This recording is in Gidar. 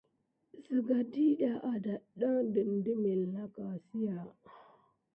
Sigan ɗiɗa ada kidan ɗe gəban kesinki, lukutu nà.